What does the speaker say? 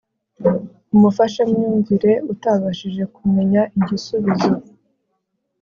umufashamyumvire utabashije kumenya igisubizo